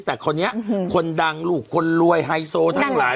แต่คนนี้คนดังลูกคนรวยไฮโซทั้งหลาย